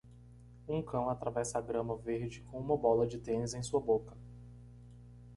Um cão atravessa a grama verde com uma bola de tênis em sua boca.